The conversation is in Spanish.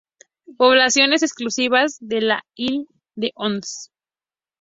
Poblaciones exclusivas de la Illa de Ons.